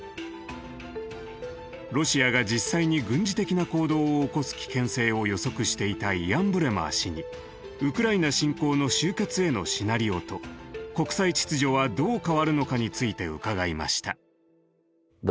ロシアが実際に軍事的な行動を起こす危険性を予測していたイアン・ブレマー氏にウクライナ侵攻の終結へのシナリオと国際秩序はどう変わるのかについて伺いました。